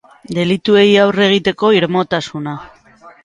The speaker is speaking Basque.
Delituei aurre egiteko irmotasuna.